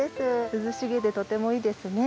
涼しげでとてもいいですね。